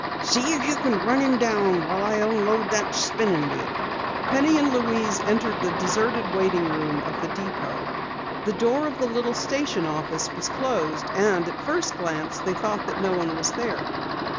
"See if you can run him down while I unload this spinnin' wheel." Penny and Louise entered the deserted waiting room of the depot. The door of the little station office was closed and at first glance they thought no one was there.